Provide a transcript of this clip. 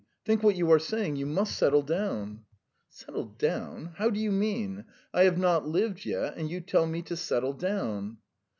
Think what you are saying. You must settle down!" "'Settle down.' How do you mean? I have not lived yet, and you tell me to settle down."